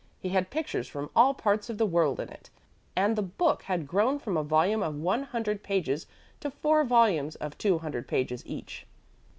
He had pictures from all parts of the world in it, and the book had grown from a volume of one hundred pages to four volumes of two hundred pages each."